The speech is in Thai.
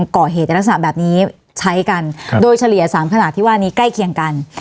ก่อเหตุในลักษณะแบบนี้ใช้กันโดยเฉลี่ย๓ขนาดที่ว่านี้ใกล้เคียงกัน